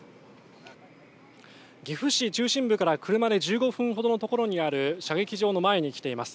岐阜市中心部から車で１５分ほどの所にある射撃場の前に来ています。